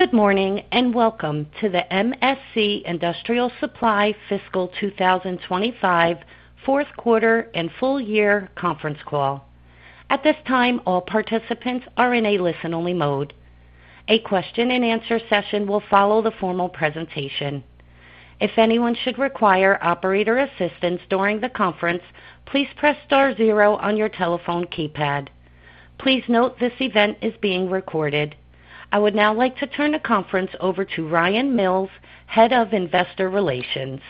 Good morning and welcome to the MSC Industrial Supply fiscal 2025 fourth quarter and full year conference call. At this time, all participants are in a listen-only mode. A question and answer session will follow the formal presentation. If anyone should require operator assistance during the conference, please press star zero on your telephone keypad. Please note this event is being recorded. I would now like to turn the conference over to Ryan Mills, Head of Investor Relations.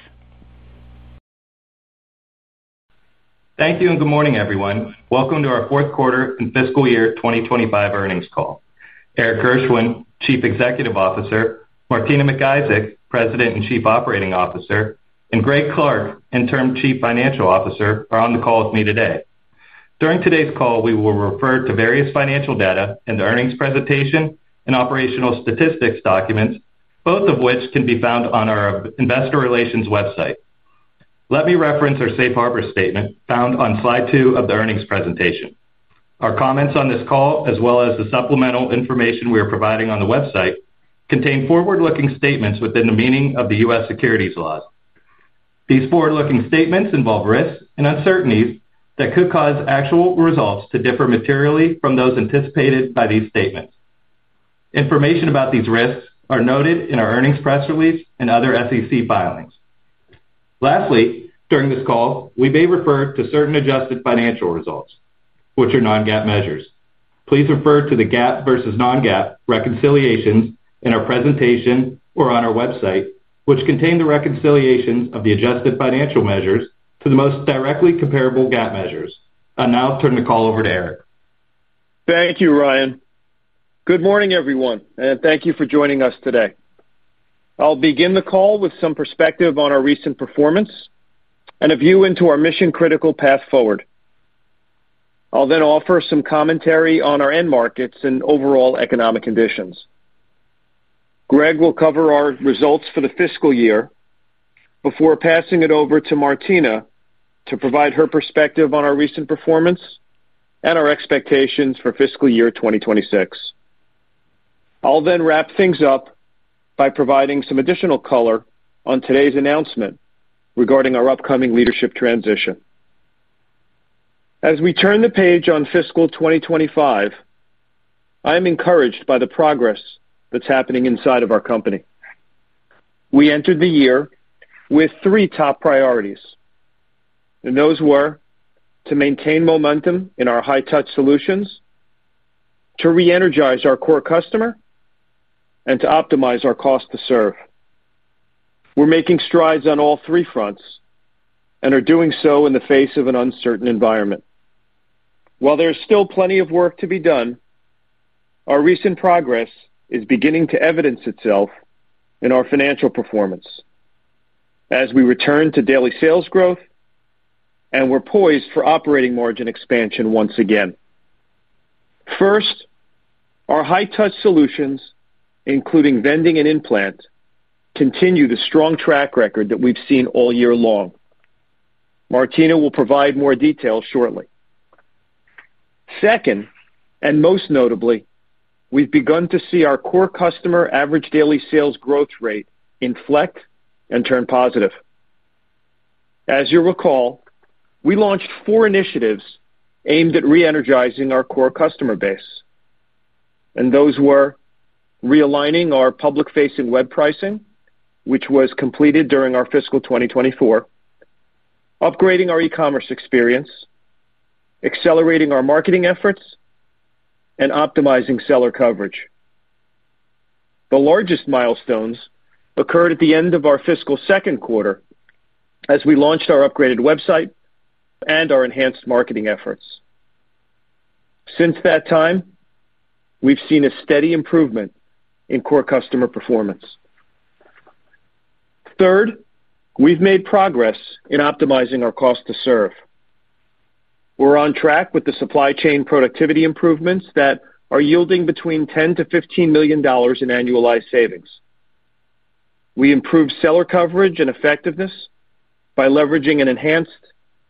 Thank you and good morning, everyone. Welcome to our fourth quarter and fiscal year 2025 earnings call. Erik Gershwind, Chief Executive Officer; Martina McIsaac, President and Chief Operating Officer; and Greg Clark, Interim Chief Financial Officer, are on the call with me today. During today's call, we will refer to various financial data in the earnings presentation and operational statistics documents, both of which can be found on our investor relations website. Let me reference our Safe Harbor Statement found on slide two of the earnings presentation. Our comments on this call, as well as the supplemental information we are providing on the website, contain forward-looking statements within the meaning of the U.S. securities laws. These forward-looking statements involve risks and uncertainties that could cause actual results to differ materially from those anticipated by these statements. Information about these risks is noted in our earnings press release and other SEC filings. Lastly, during this call, we may refer to certain adjusted financial results, which are non-GAAP measures. Please refer to the GAAP versus non-GAAP reconciliations in our presentation or on our website, which contain the reconciliations of the adjusted financial measures to the most directly comparable GAAP measures. I'll now turn the call over to Erik. Thank you, Ryan. Good morning, everyone, and thank you for joining us today. I'll begin the call with some perspective on our recent performance and a view into our mission-critical path forward. I'll then offer some commentary on our end markets and overall economic conditions. Greg will cover our results for the fiscal year before passing it over to Martina to provide her perspective on our recent performance and our expectations for fiscal year 2026. I'll then wrap things up by providing some additional color on today's announcement regarding our upcoming leadership transition. As we turn the page on fiscal 2025, I am encouraged by the progress that's happening inside of our company. We entered the year with three top priorities, and those were to maintain momentum in our high-touch solutions, to re-energize our core customer, and to optimize our cost to serve. We're making strides on all three fronts and are doing so in the face of an uncertain environment. While there is still plenty of work to be done, our recent progress is beginning to evidence itself in our financial performance as we return to daily sales growth and we're poised for operating margin expansion once again. First, our high-touch solutions, including vending and implant, continue the strong track record that we've seen all year long. Martina will provide more detail shortly. Second, and most notably, we've begun to see our core customer average daily sales growth rate inflect and turn positive. As you recall, we launched four initiatives aimed at re-energizing our core customer base, and those were realigning our public-facing web pricing, which was completed during our fiscal 2024, upgrading our e-commerce experience, accelerating our marketing efforts, and optimizing seller coverage. The largest milestones occurred at the end of our fiscal second quarter as we launched our upgraded website and our enhanced marketing efforts. Since that time, we've seen a steady improvement in core customer performance. Third, we've made progress in optimizing our cost to serve. We're on track with the supply chain productivity improvements that are yielding between $10 million-$15 million in annualized savings. We improved seller coverage and effectiveness by leveraging an enhanced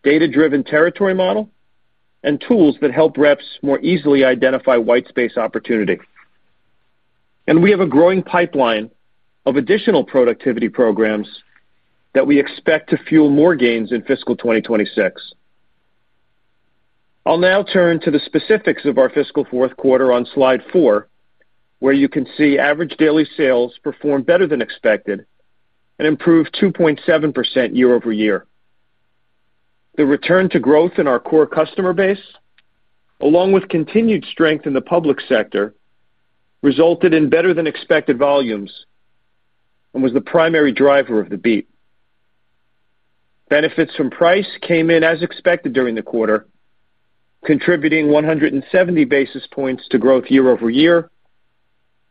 data-driven territory model and tools that help reps more easily identify white space opportunity. We have a growing pipeline of additional productivity programs that we expect to fuel more gains in fiscal 2026. I'll now turn to the specifics of our fiscal fourth quarter on slide four, where you can see average daily sales perform better than expected and improved 2.7% year-over-year. The return to growth in our core customer base, along with continued strength in the public sector, resulted in better than expected volumes and was the primary driver of the beat. Benefits from price came in as expected during the quarter, contributing 170 basis points to growth year-over-year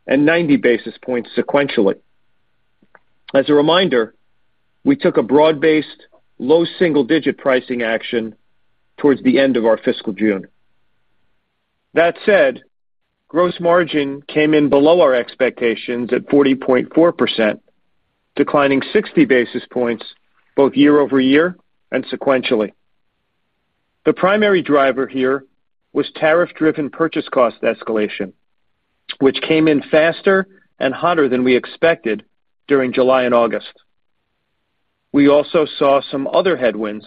and 90 basis points sequentially. As a reminder, we took a broad-based, low single-digit pricing action towards the end of our fiscal June. That said, gross margin came in below our expectations at 40.4%, declining 60 basis points both year-over-year and sequentially. The primary driver here was tariff-driven purchase cost escalation, which came in faster and hotter than we expected during July and August. We also saw some other headwinds,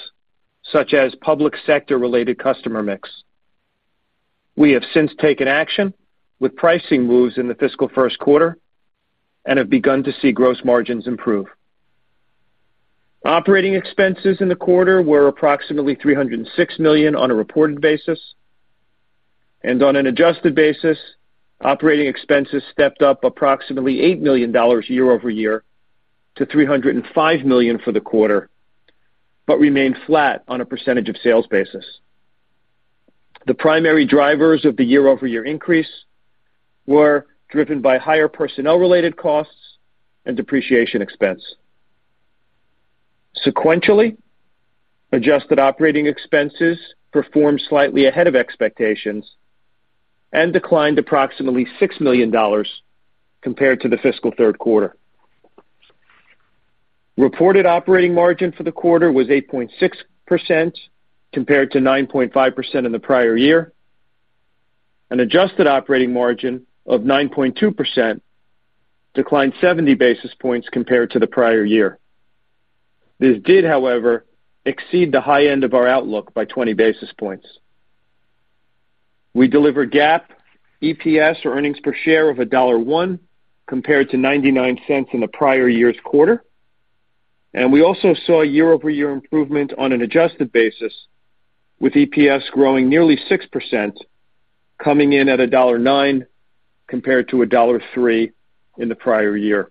such as public sector-related customer mix. We have since taken action with pricing moves in the fiscal first quarter and have begun to see gross margins improve. Operating expenses in the quarter were approximately $306 million on a reported basis, and on an adjusted basis, operating expenses stepped up approximately $8 million year-over-year to $305 million for the quarter, but remained flat on a percentage of sales basis. The primary drivers of the year-over-year increase were driven by higher personnel-related costs and depreciation expense. Sequentially, adjusted operating expenses performed slightly ahead of expectations and declined approximately $6 million compared to the fiscal third quarter. Reported operating margin for the quarter was 8.6% compared to 9.5% in the prior year, and adjusted operating margin of 9.2% declined 70 basis points compared to the prior year. This did, however, exceed the high end of our outlook by 20 basis points. We delivered GAAP EPS, or earnings per share, of $1.01 compared to $0.99 in the prior year's quarter, and we also saw year-over-year improvement on an adjusted basis with EPS growing nearly 6%, coming in at $1.09 compared to $1.03 in the prior year.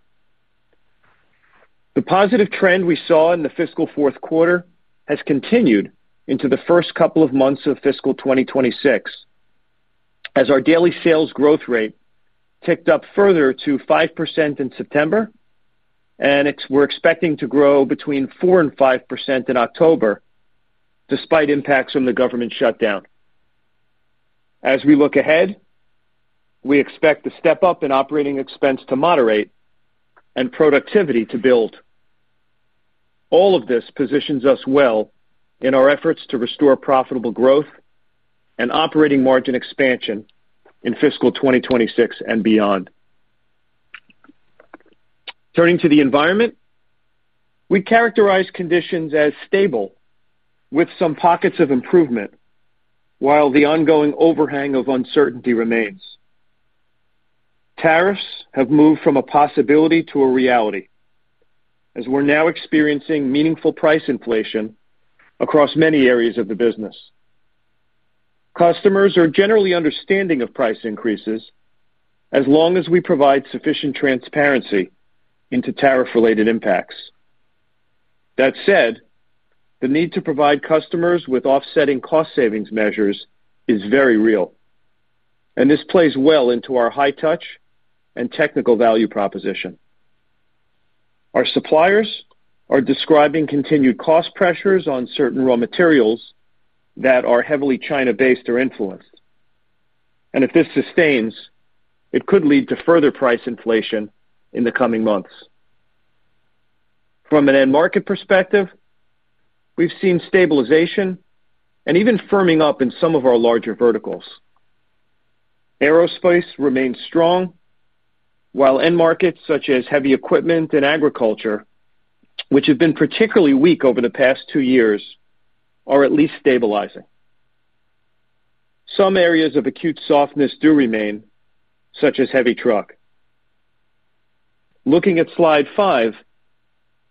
The positive trend we saw in the fiscal fourth quarter has continued into the first couple of months of fiscal 2026, as our daily sales growth rate ticked up further to 5% in September, and we're expecting to grow between 4% and 5% in October, despite impacts from the government shutdown. As we look ahead, we expect a step up in operating expense to moderate and productivity to build. All of this positions us well in our efforts to restore profitable growth and operating margin expansion in fiscal 2026 and beyond. Turning to the environment, we characterize conditions as stable with some pockets of improvement, while the ongoing overhang of uncertainty remains. Tariffs have moved from a possibility to a reality, as we're now experiencing meaningful price inflation across many areas of the business. Customers are generally understanding of price increases as long as we provide sufficient transparency into tariff-related impacts. That said, the need to provide customers with offsetting cost savings measures is very real, and this plays well into our high-touch and technical value proposition. Our suppliers are describing continued cost pressures on certain raw materials that are heavily China-based or influenced, and if this sustains, it could lead to further price inflation in the coming months. From an end market perspective, we've seen stabilization and even firming up in some of our larger verticals. Aerospace remains strong, while end markets such as heavy equipment and agriculture, which have been particularly weak over the past two years, are at least stabilizing. Some areas of acute softness do remain, such as heavy truck. Looking at slide five,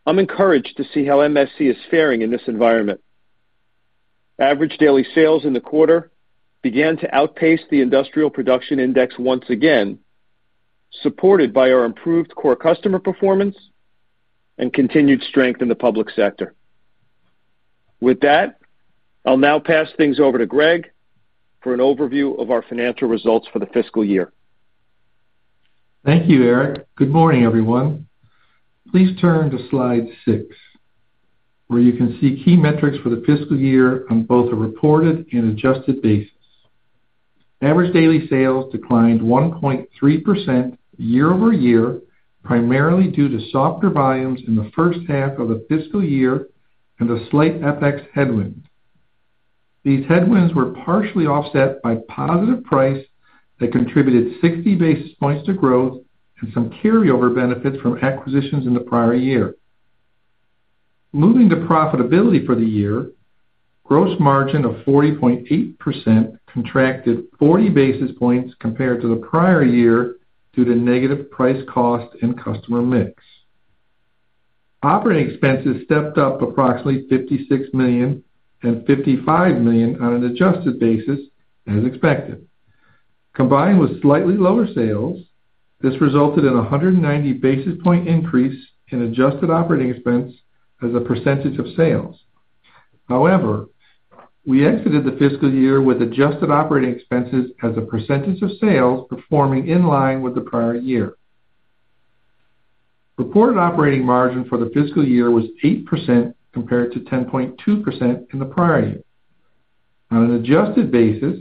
I'm encouraged to see how MSC is faring in this environment. Average daily sales in the quarter began to outpace the industrial production index once again, supported by our improved core customer performance and continued strength in the public sector. With that, I'll now pass things over to Greg for an overview of our financial results for the fiscal year. Thank you, Erik. Good morning, everyone. Please turn to slide six, where you can see key metrics for the fiscal year on both a reported and adjusted basis. Average daily sales declined 1.3% year-over-year, primarily due to softer volumes in the first half of the fiscal year and a slight FX headwind. These headwinds were partially offset by positive price that contributed 60 basis points to growth and some carryover benefits from acquisitions in the prior year. Moving to profitability for the year, gross margin of 40.8% contracted 40 basis points compared to the prior year due to negative price cost and customer mix. Operating expenses stepped up approximately $56 million and $55 million on an adjusted basis, as expected. Combined with slightly lower sales, this resulted in a 190 basis point increase in adjusted operating expense as a percentage of sales. However, we exited the fiscal year with adjusted operating expenses as a percentage of sales performing in line with the prior year. Reported operating margin for the fiscal year was 8% compared to 10.2% in the prior year. On an adjusted basis,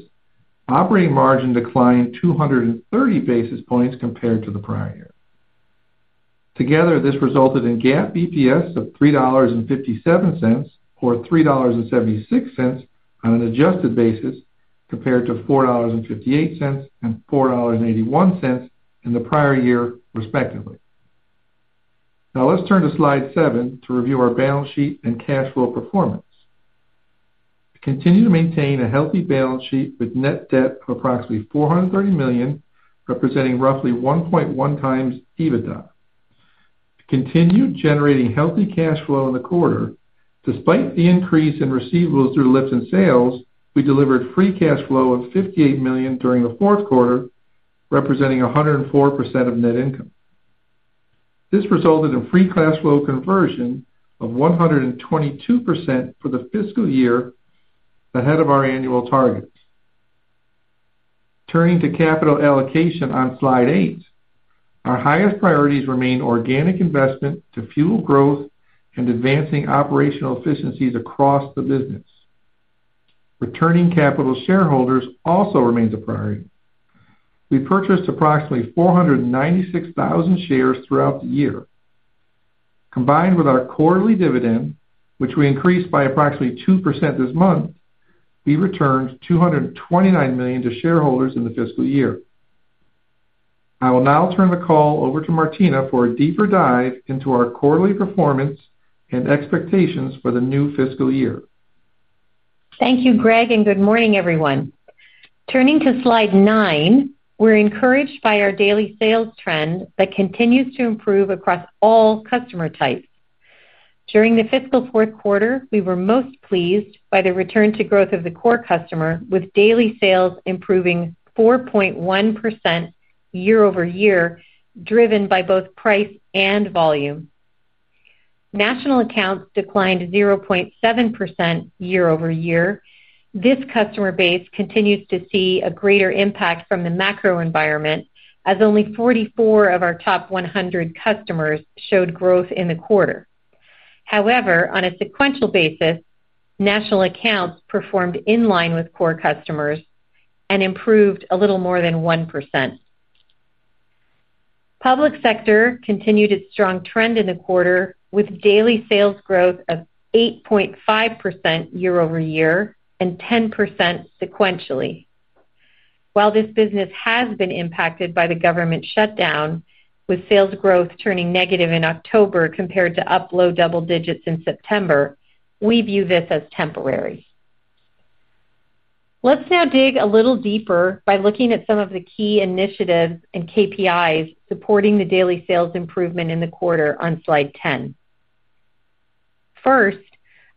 operating margin declined 230 basis points compared to the prior year. Together, this resulted in GAAP EPS of $3.57 or $3.76 on an adjusted basis compared to $4.58 and $4.81 in the prior year, respectively. Now let's turn to slide seven to review our balance sheet and cash flow performance. We continue to maintain a healthy balance sheet with net debt of approximately $430 million, representing roughly 1.1x EBITDA. We continued generating healthy cash flow in the quarter. Despite the increase in receivables through lifts and sales, we delivered free cash flow of $58 million during the fourth quarter, representing 104% of net income. This resulted in free cash flow conversion of 122% for the fiscal year, ahead of our annual targets. Turning to capital allocation on slide eight, our highest priorities remain organic investment to fuel growth and advancing operational efficiencies across the business. Returning capital to shareholders also remains a priority. We purchased approximately 496,000 shares throughout the year. Combined with our quarterly dividend, which we increased by approximately 2% this month, we returned $229 million to shareholders in the fiscal year. I will now turn the call over to Martina for a deeper dive into our quarterly performance and expectations for the new fiscal year. Thank you, Greg, and good morning, everyone. Turning to slide nine, we're encouraged by our daily sales trend that continues to improve across all customer types. During the fiscal fourth quarter, we were most pleased by the return to growth of the core customer, with daily sales improving 4.1% year-over-year, driven by both price and volume. National accounts declined 0.7% year-over-year. This customer base continues to see a greater impact from the macro environment, as only 44 of our top 100 customers showed growth in the quarter. However, on a sequential basis, national accounts performed in line with core customers and improved a little more than 1%. Public sector continued its strong trend in the quarter, with daily sales growth of 8.5% year-over-year and 10% sequentially. While this business has been impacted by the government shutdown, with sales growth turning negative in October compared to up low double digits in September, we view this as temporary. Let's now dig a little deeper by looking at some of the key initiatives and KPIs supporting the daily sales improvement in the quarter on slide 10. First,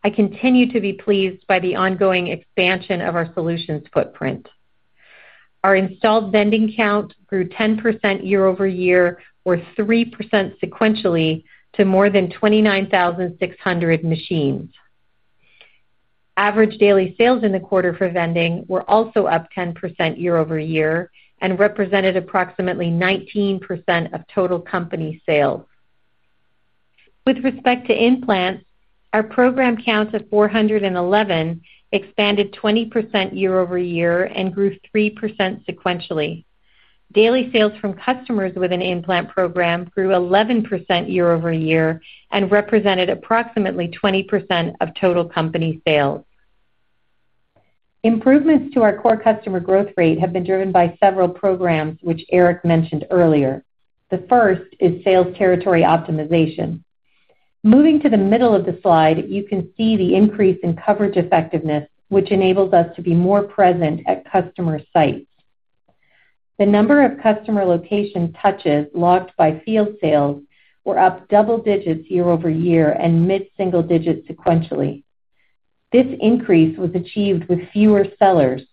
I continue to be pleased by the ongoing expansion of our solutions footprint. Our installed vending count grew 10% year-over-year, or 3% sequentially, to more than 29,600 machines. Average daily sales in the quarter for vending were also up 10% year-over-year and represented approximately 19% of total company sales. With respect to implants, our program count of 411 expanded 20% year-over-year and grew 3% sequentially. Daily sales from customers with an implant program grew 11% year-over-year and represented approximately 20% of total company sales. Improvements to our core customer growth rate have been driven by several programs, which Erik mentioned earlier. The first is sales territory optimization. Moving to the middle of the slide, you can see the increase in coverage effectiveness, which enables us to be more present at customer sites. The number of customer location touches logged by field sales were up double digits year-over-year and mid-single digits sequentially. This increase was achieved with fewer sellers,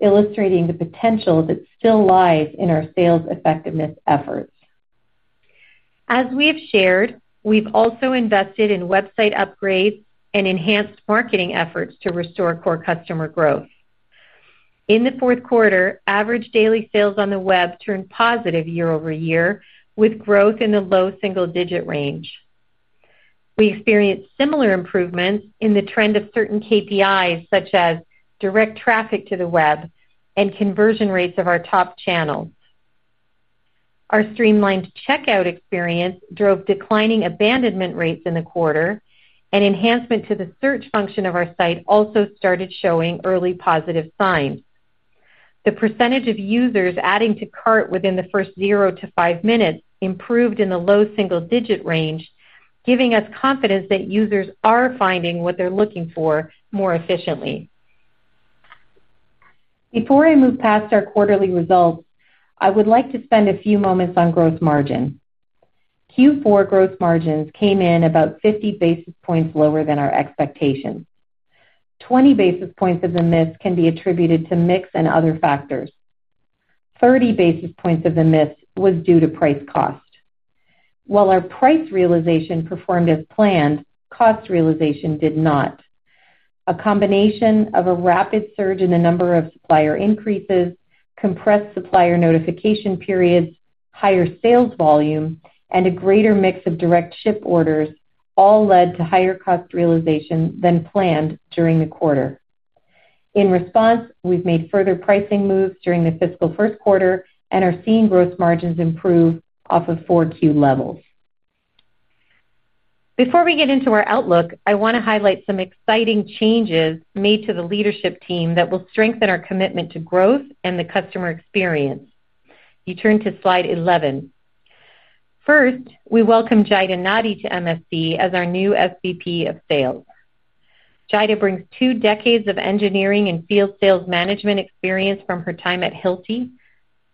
illustrating the potential that still lies in our sales effectiveness efforts. As we have shared, we've also invested in website upgrades and enhanced marketing efforts to restore core customer growth. In the fourth quarter, average daily sales on the web turned positive year-over-year, with growth in the low single-digit range. We experienced similar improvements in the trend of certain KPIs, such as direct traffic to the web and conversion rates of our top channels. Our streamlined checkout experience drove declining abandonment rates in the quarter, and enhancement to the search function of our site also started showing early positive signs. The percentage of users adding to cart within the first zero to five minutes improved in the low single-digit range, giving us confidence that users are finding what they're looking for more efficiently. Before I move past our quarterly results, I would like to spend a few moments on gross margin. Q4 gross margins came in about 50 basis points lower than our expectations. 20 basis points of the miss can be attributed to mix and other factors. 30 basis points of the miss was due to price cost. While our price realization performed as planned, cost realization did not. A combination of a rapid surge in the number of supplier increases, compressed supplier notification periods, higher sales volume, and a greater mix of direct ship orders all led to higher cost realization than planned during the quarter. In response, we've made further pricing moves during the fiscal first quarter and are seeing gross margins improve off of Q4 levels. Before we get into our outlook, I want to highlight some exciting changes made to the leadership team that will strengthen our commitment to growth and the customer experience. You turn to slide 11. First, we welcome Jahida Nadi to MSC as our new SVP of Sales. Jahida brings two decades of engineering and field sales management experience from her time at Hilti,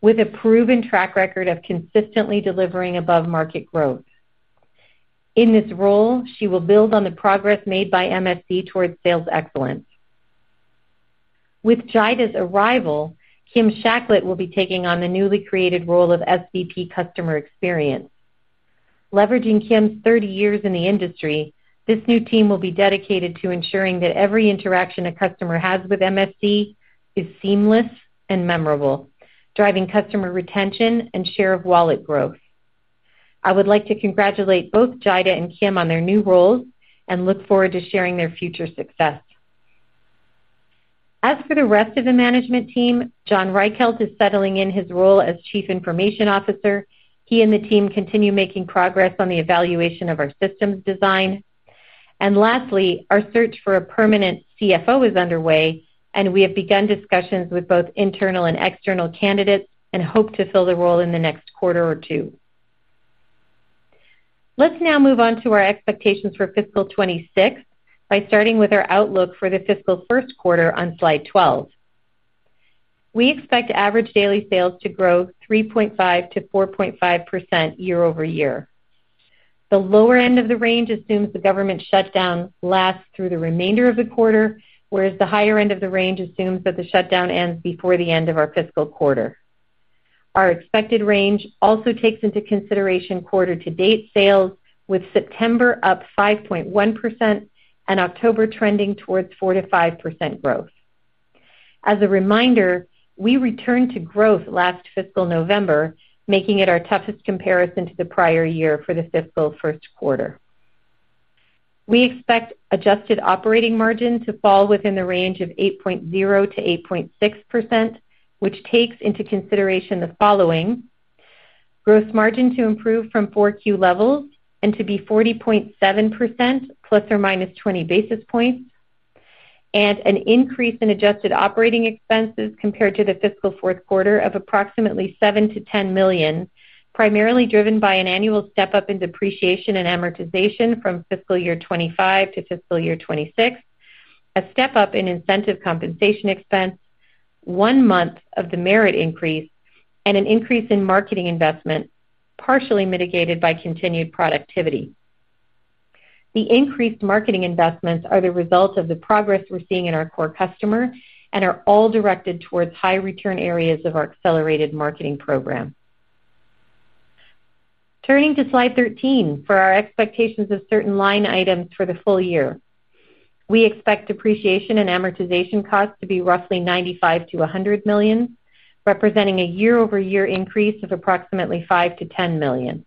with a proven track record of consistently delivering above market growth. In this role, she will build on the progress made by MSC towards sales excellence. With Jahida's arrival, Kim Shacklett will be taking on the newly created role of SVP of Customer Experience. Leveraging Kim's 30 years in the industry, this new team will be dedicated to ensuring that every interaction a customer has with MSC is seamless and memorable, driving customer retention and share of wallet growth. I would like to congratulate both Jahida and Kim on their new roles and look forward to sharing their future success. As for the rest of the management team, John Reichelt is settling in his role as Chief Information Officer. He and the team continue making progress on the evaluation of our systems design. Lastly, our search for a permanent CFO is underway, and we have begun discussions with both internal and external candidates and hope to fill the role in the next quarter or two. Let's now move on to our expectations for fiscal 2026 by starting with our outlook for the fiscal first quarter on slide 12. We expect average daily sales to grow 3.5%-4.5% year-over-year. The lower end of the range assumes the government shutdown lasts through the remainder of the quarter, whereas the higher end of the range assumes that the shutdown ends before the end of our fiscal quarter. Our expected range also takes into consideration quarter-to-date sales, with September up 5.1% and October trending towards 4%-5% growth. As a reminder, we returned to growth last fiscal November, making it our toughest comparison to the prior year for the fiscal first quarter. We expect adjusted operating margin to fall within the range of 8.0%-8.6%, which takes into consideration the following: gross margin to improve from fourth quarter levels and to be 40.7% ±20 basis points, and an increase in adjusted operating expenses compared to the fiscal fourth quarter of approximately $7 million-$10 million, primarily driven by an annual step up in depreciation and amortization from fiscal year 2025 to fiscal year 2026, a step up in incentive compensation expense, one month of the merit increase, and an increase in marketing investment partially mitigated by continued productivity. The increased marketing investments are the result of the progress we're seeing in our core customer and are all directed towards high return areas of our accelerated marketing program. Turning to slide 13 for our expectations of certain line items for the full year, we expect depreciation and amortization costs to be roughly $95 million-$100 million, representing a year-over-year increase of approximately $5 million-$10 million.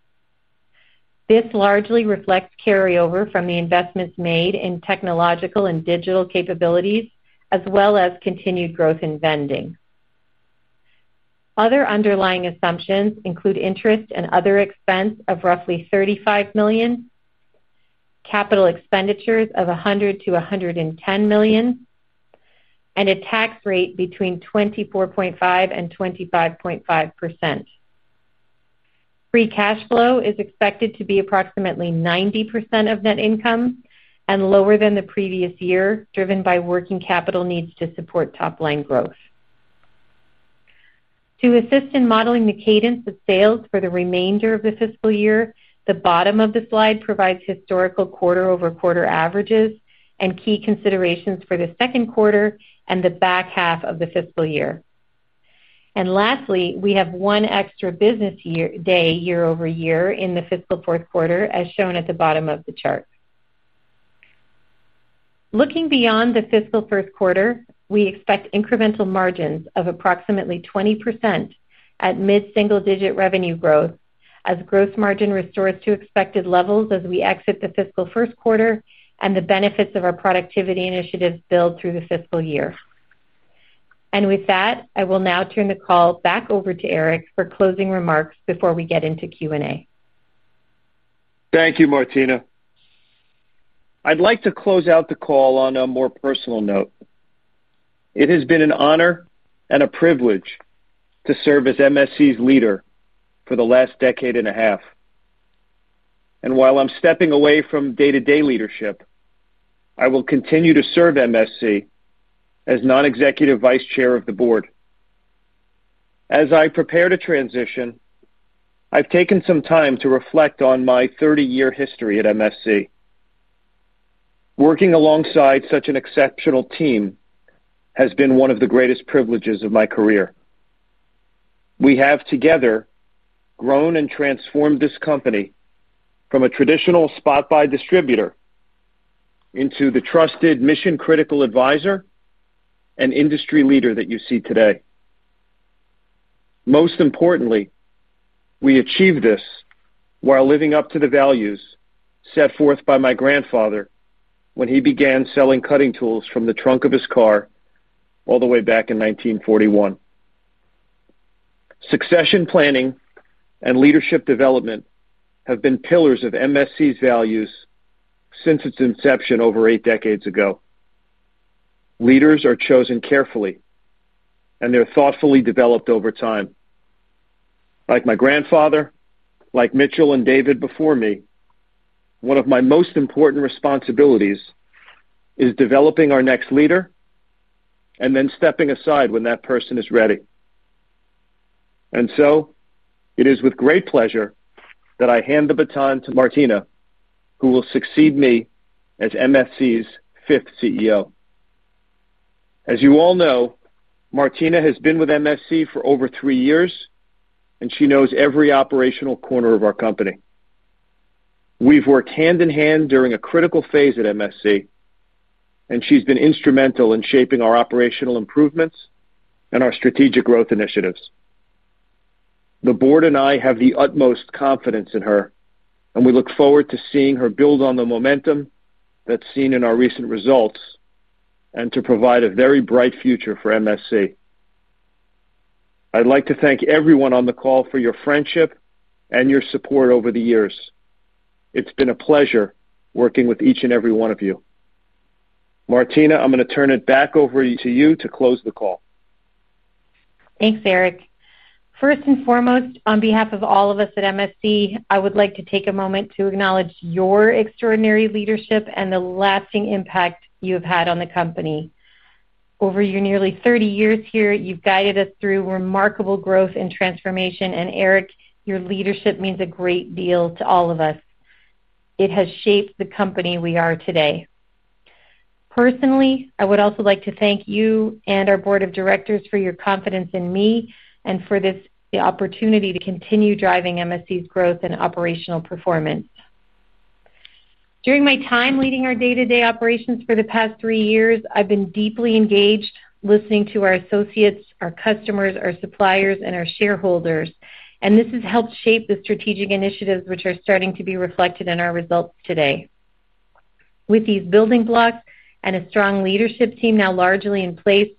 This largely reflects carryover from the investments made in technological and digital capabilities, as well as continued growth in vending. Other underlying assumptions include interest and other expense of roughly $35 million, capital expenditures of $100 million-$110 million, and a tax rate between 24.5% and 25.5%. Free cash flow is expected to be approximately 90% of net income and lower than the previous year, driven by working capital needs to support top line growth. To assist in modeling the cadence of sales for the remainder of the fiscal year, the bottom of the slide provides historical quarter-over-quarter averages and key considerations for the second quarter and the back half of the fiscal year. Lastly, we have one extra business day year-over-year in the fiscal fourth quarter, as shown at the bottom of the chart. Looking beyond the fiscal first quarter, we expect incremental margins of approximately 20% at mid-single-digit revenue growth, as gross margin restores to expected levels as we exit the fiscal first quarter and the benefits of our productivity initiatives build through the fiscal year. With that, I will now turn the call back over to Erik for closing remarks before we get into Q&A. Thank you, Martina. I'd like to close out the call on a more personal note. It has been an honor and a privilege to serve as MSC's leader for the last decade and a half. While I'm stepping away from day-to-day leadership, I will continue to serve MSC as Non-Executive Vice Chair of the Board. As I prepare to transition, I've taken some time to reflect on my 30-year history at MSC. Working alongside such an exceptional team has been one of the greatest privileges of my career. We have together grown and transformed this company from a traditional spot-buy distributor into the trusted mission-critical advisor and industry leader that you see today. Most importantly, we achieve this while living up to the values set forth by my grandfather when he began selling cutting tools from the trunk of his car all the way back in 1941. Succession planning and leadership development have been pillars of MSC's values since its inception over eight decades ago. Leaders are chosen carefully, and they're thoughtfully developed over time. Like my grandfather, like Mitchell and David before me, one of my most important responsibilities is developing our next leader and then stepping aside when that person is ready. It is with great pleasure that I hand the baton to Martina, who will succeed me as MSC's fifth CEO. As you all know, Martina has been with MSC for over three years, and she knows every operational corner of our company. We've worked hand in hand during a critical phase at MSC, and she's been instrumental in shaping our operational improvements and our strategic growth initiatives. The board and I have the utmost confidence in her, and we look forward to seeing her build on the momentum that's seen in our recent results and to provide a very bright future for MSC. I'd like to thank everyone on the call for your friendship and your support over the years. It's been a pleasure working with each and every one of you. Martina, I'm going to turn it back over to you to close the call. Thanks, Erik. First and foremost, on behalf of all of us at MSC, I would like to take a moment to acknowledge your extraordinary leadership and the lasting impact you have had on the company. Over your nearly 30 years here, you've guided us through remarkable growth and transformation, and Erik, your leadership means a great deal to all of us. It has shaped the company we are today. Personally, I would also like to thank you and our Board of Directors for your confidence in me and for this opportunity to continue driving MSC's growth and operational performance. During my time leading our day-to-day operations for the past three years, I've been deeply engaged listening to our associates, our customers, our suppliers, and our shareholders, and this has helped shape the strategic initiatives which are starting to be reflected in our results today. With these building blocks and a strong leadership team now largely in place,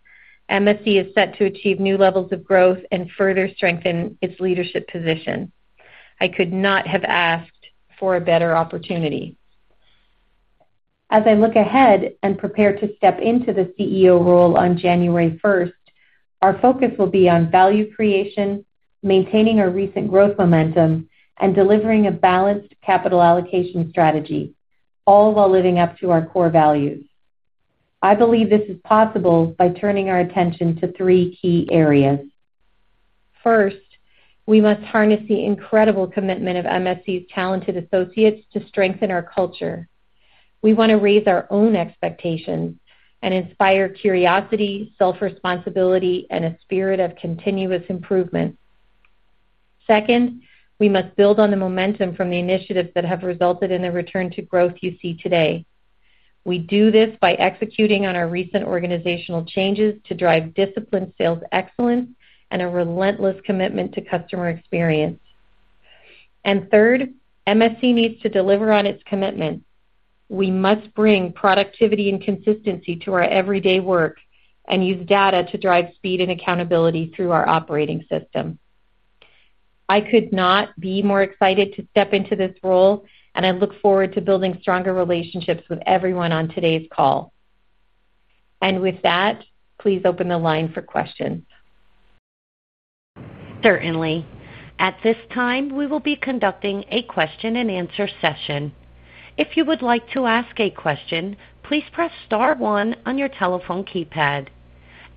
MSC is set to achieve new levels of growth and further strengthen its leadership position. I could not have asked for a better opportunity. As I look ahead and prepare to step into the CEO role on January 1st, our focus will be on value creation, maintaining our recent growth momentum, and delivering a balanced capital allocation strategy, all while living up to our core values. I believe this is possible by turning our attention to three key areas. First, we must harness the incredible commitment of MSC's talented associates to strengthen our culture. We want to raise our own expectations and inspire curiosity, self-responsibility, and a spirit of continuous improvement. Second, we must build on the momentum from the initiatives that have resulted in the return to growth you see today. We do this by executing on our recent organizational changes to drive disciplined sales excellence and a relentless commitment to customer experience. Third, MSC needs to deliver on its commitment. We must bring productivity and consistency to our everyday work and use data to drive speed and accountability through our operating system. I could not be more excited to step into this role, and I look forward to building stronger relationships with everyone on today's call. With that, please open the line for questions. Certainly. At this time, we will be conducting a question and answer session. If you would like to ask a question, please press star one on your telephone keypad.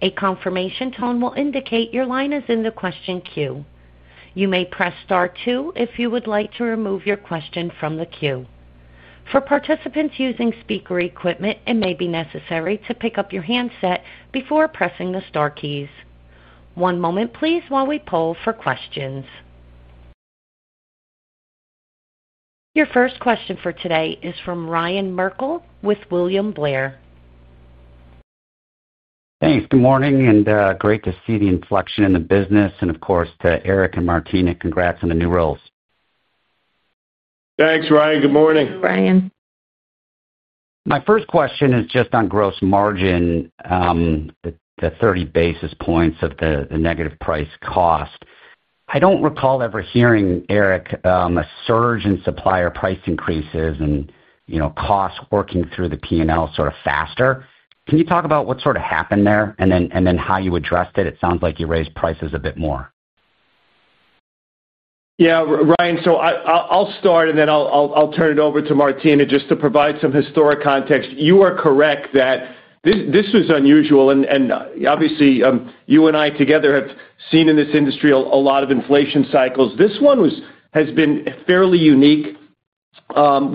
A confirmation tone will indicate your line is in the question queue. You may press star two if you would like to remove your question from the queue. For participants using speaker equipment, it may be necessary to pick up your handset before pressing the star keys. One moment, please, while we poll for questions. Your first question for today is from Ryan Merkel with William Blair. Thanks. Good morning, and great to see the inflection in the business, and of course, to Erik and Martina, congrats on the new roles. Thanks, Ryan. Good morning. Thank you, Ryan. My first question is just on gross margin, the 30 basis points of the negative price cost. I don't recall ever hearing, Erik, a surge in supplier price increases and costs working through the P&L sort of faster. Can you talk about what sort of happened there and then how you addressed it? It sounds like you raised prices a bit more. Yeah, Ryan, I'll start and then I'll turn it over to Martina just to provide some historic context. You are correct that this was unusual, and obviously, you and I together have seen in this industry a lot of inflation cycles. This one has been fairly unique.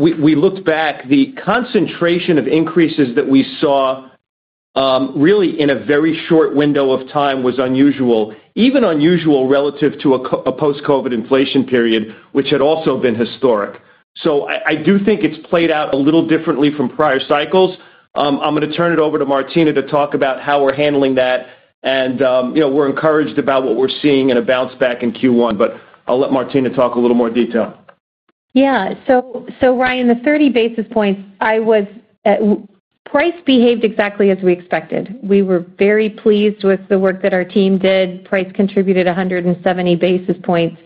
We looked back. The concentration of increases that we saw really in a very short window of time was unusual, even unusual relative to a post-COVID inflation period, which had also been historic. I do think it's played out a little differently from prior cycles. I'm going to turn it over to Martina to talk about how we're handling that, and you know we're encouraged about what we're seeing and a bounce back in Q1, but I'll let Martina talk a little more detail. Yeah, so Ryan, the 30 basis points, I was at price behaved exactly as we expected. We were very pleased with the work that our team did. Price contributed 170 basis points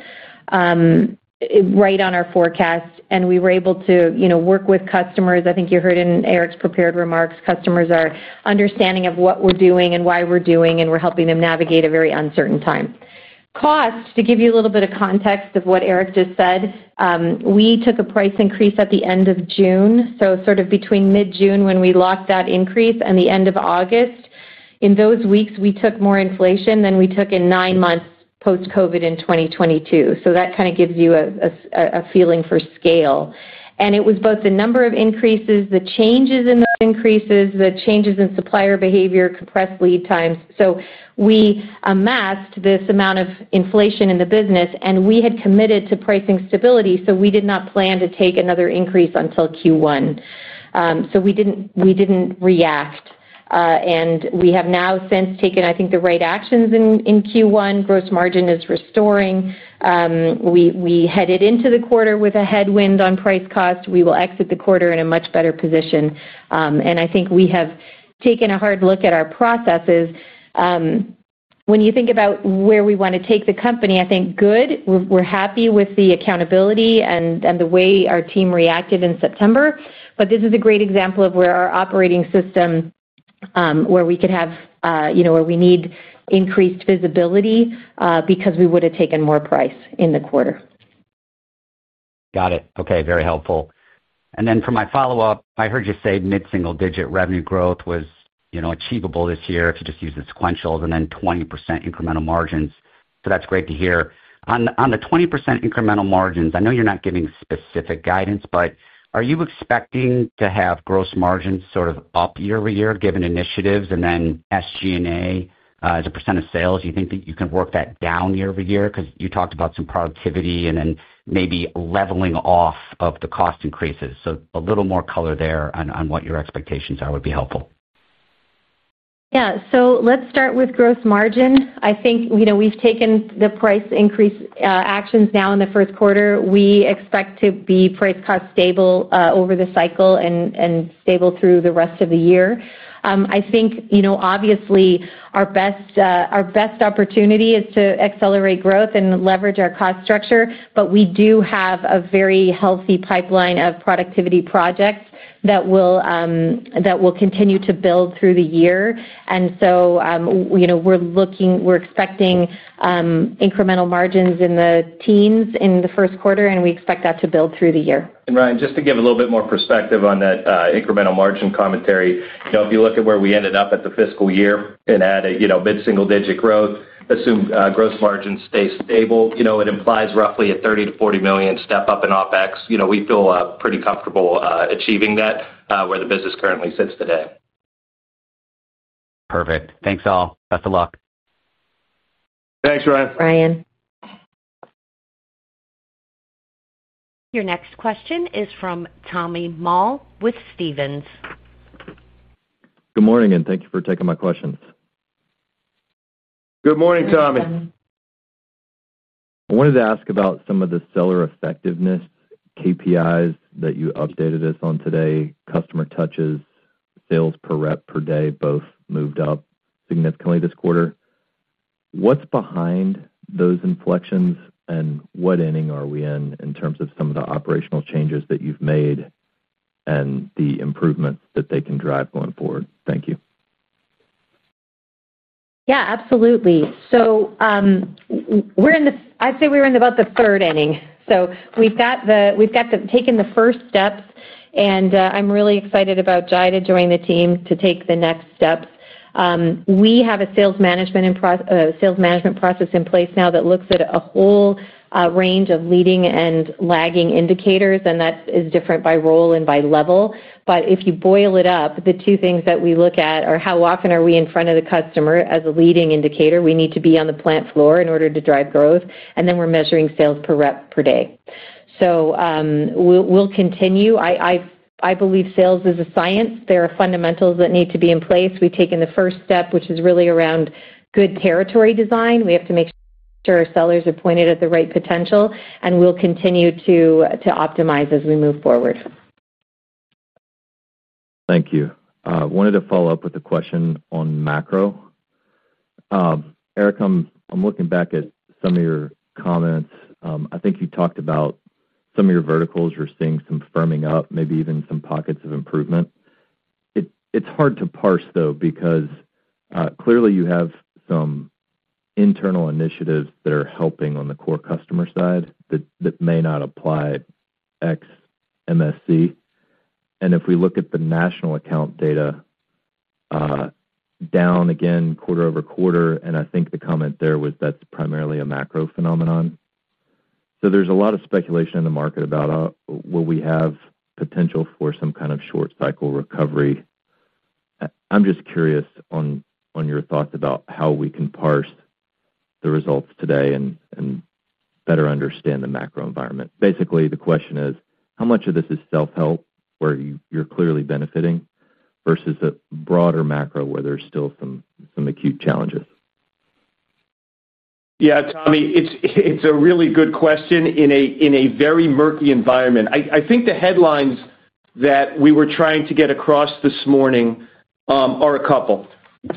right on our forecast, and we were able to work with customers. I think you heard in Erik's prepared remarks, customers are understanding of what we're doing and why we're doing, and we're helping them navigate a very uncertain time. Cost, to give you a little bit of context of what Erik just said, we took a price increase at the end of June, so sort of between mid-June when we locked that increase and the end of August. In those weeks, we took more inflation than we took in nine months post-COVID in 2022. That kind of gives you a feeling for scale. It was both the number of increases, the changes in the increases, the changes in supplier behavior, compressed lead times. We amassed this amount of inflation in the business, and we had committed to pricing stability, so we did not plan to take another increase until Q1. We didn't react, and we have now since taken, I think, the right actions in Q1. Gross margin is restoring. We headed into the quarter with a headwind on price cost. We will exit the quarter in a much better position, and I think we have taken a hard look at our processes. When you think about where we want to take the company, I think good. We're happy with the accountability and the way our team reacted in September, but this is a great example of where our operating system, where we could have, you know, where we need increased visibility because we would have taken more price in the quarter. Got it. Okay, very helpful. For my follow-up, I heard you say mid-single-digit revenue growth was achievable this year if you just use the sequentials and then 20% incremental margins, so that's great to hear. On the 20% incremental margins, I know you're not giving specific guidance, but are you expecting to have gross margins sort of up year-over-year given initiatives and then SG&A as a percent of sales? Do you think that you can work that down year-over-year? You talked about some productivity and then maybe leveling off of the cost increases, so a little more color there on what your expectations are would be helpful. Yeah, so let's start with gross margin. I think we've taken the price increase actions now in the first quarter. We expect to be price cost stable over the cycle and stable through the rest of the year. Obviously, our best opportunity is to accelerate growth and leverage our cost structure, but we do have a very healthy pipeline of productivity projects that will continue to build through the year. We're looking, we're expecting incremental margins in the teens in the first quarter, and we expect that to build through the year. Ryan, just to give a little bit more perspective on that incremental margin commentary, if you look at where we ended up at the fiscal year and add a mid-single-digit growth, assume gross margins stay stable, it implies roughly a $30 million-$40 million step up in OpEx. We feel pretty comfortable achieving that where the business currently sits today. Perfect. Thanks all. Best of luck. Thanks, Ryan. Ryan. Your next question is from Tommy Moll with Stephens. Good morning, and thank you for taking my questions. Good morning, Tommy. I wanted to ask about some of the seller effectiveness KPIs that you updated us on today. Customer touches, sales per rep per day both moved up significantly this quarter. What's behind those inflections and what inning are we in in terms of some of the operational changes that you've made and the improvements that they can drive going forward? Thank you. Yeah, absolutely. We're in this, I'd say we're in about the third inning. We've taken the first steps, and I'm really excited about Jahida joining the team to take the next steps. We have a sales management process in place now that looks at a whole range of leading and lagging indicators, and that is different by role and by level. If you boil it up, the two things that we look at are how often are we in front of the customer as a leading indicator. We need to be on the plant floor in order to drive growth, and then we're measuring sales per rep per day. I believe sales is a science. There are fundamentals that need to be in place. We've taken the first step, which is really around good territory design. We have to make sure our sellers are pointed at the right potential, and we'll continue to optimize as we move forward. Thank you. I wanted to follow up with a question on macro. Erik, I'm looking back at some of your comments. I think you talked about some of your verticals were seeing some firming up, maybe even some pockets of improvement. It's hard to parse, though, because clearly you have some internal initiatives that are helping on the core customer side that may not apply to MSC. If we look at the national account data down again quarter-over-quarter, I think the comment there was that's primarily a macro phenomenon. There's a lot of speculation in the market about will we have potential for some kind of short cycle recovery. I'm just curious on your thoughts about how we can parse the results today and better understand the macro environment. Basically, the question is how much of this is self-help where you're clearly benefiting versus a broader macro where there's still some acute challenges? Yeah, Tommy, it's a really good question in a very murky environment. I think the headlines that we were trying to get across this morning are a couple.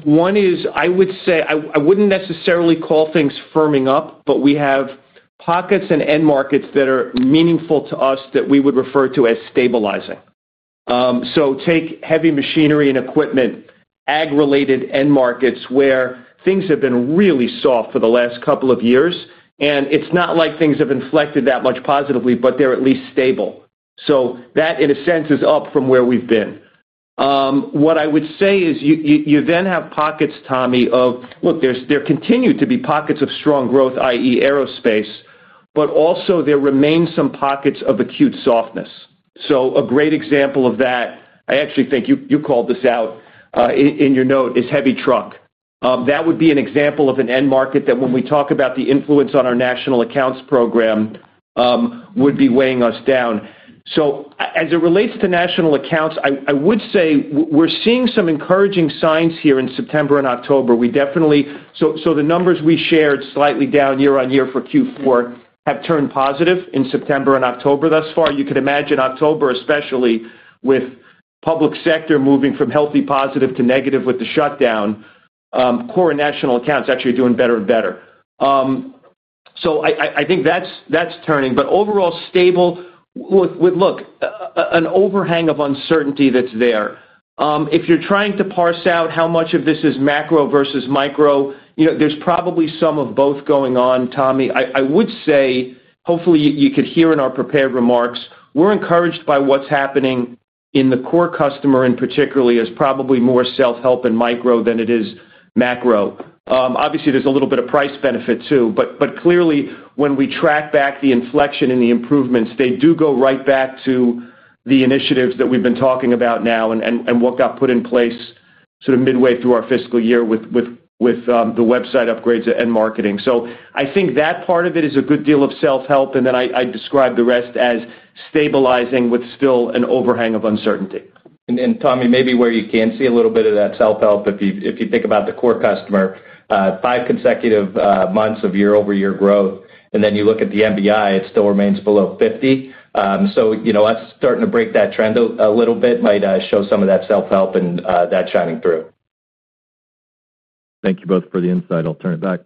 One is I would say I wouldn't necessarily call things firming up, but we have pockets and end markets that are meaningful to us that we would refer to as stabilizing. Take heavy machinery and equipment, ag-related end markets where things have been really soft for the last couple of years, and it's not like things have inflected that much positively, but they're at least stable. In a sense, that is up from where we've been. What I would say is you then have pockets, Tommy, of look, there continue to be pockets of strong growth, i.e., aerospace, but also there remain some pockets of acute softness. A great example of that, I actually think you called this out in your note, is heavy truck. That would be an example of an end market that when we talk about the influence on our national accounts program would be weighing us down. As it relates to national accounts, I would say we're seeing some encouraging signs here in September and October. The numbers we shared, slightly down year on year for Q4, have turned positive in September and October thus far. You can imagine October, especially with public sector moving from healthy positive to negative with the shutdown. Core and national accounts actually are doing better and better. I think that's turning, but overall stable with an overhang of uncertainty that's there. If you're trying to parse out how much of this is macro versus micro, you know there's probably some of both going on, Tommy. I would say hopefully you could hear in our prepared remarks, we're encouraged by what's happening in the core customer in particularly is probably more self-help and micro than it is macro. Obviously, there's a little bit of price benefit too, but clearly when we track back the inflection and the improvements, they do go right back to the initiatives that we've been talking about now and what got put in place sort of midway through our fiscal year with the website upgrades and marketing. I think that part of it is a good deal of self-help, and then I describe the rest as stabilizing with still an overhang of uncertainty. Tommy, maybe where you can see a little bit of that self-help, if you think about the core customer, five consecutive months of year-over-year growth, and then you look at the MBI, it still remains below 50%. You know us starting to break that trend a little bit might show some of that self-help and that shining through. Thank you both for the insight. I'll turn it back.